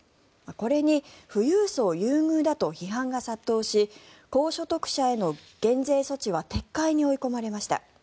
これに富裕層優遇だと批判が殺到し高所得者への減税措置は撤回に追い込まれました。